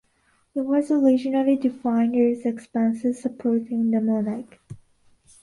It was originally defined as expenses supporting the monarch.